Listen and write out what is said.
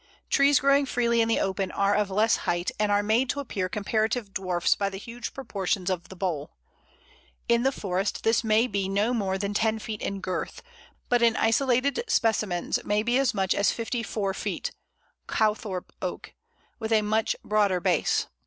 Trees growing freely in the open are of less height, and are made to appear comparative dwarfs by the huge proportions of the bole. In the forest this may be no more than ten feet in girth, but in isolated specimens may be as much as fifty four feet (Cowthorpe Oak), with a much broader base.